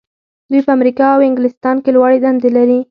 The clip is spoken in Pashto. دوی په امریکا او انګلستان کې لوړې دندې لري.